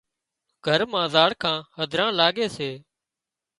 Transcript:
گھر مان زاڙکان هڌران لاڳي سي